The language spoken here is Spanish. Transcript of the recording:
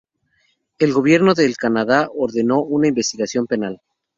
El Gobierno del Canadá ordenó una investigación penal.